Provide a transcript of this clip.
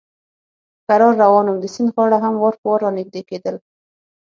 کرار روان ووم، د سیند غاړه هم وار په وار را نږدې کېدل.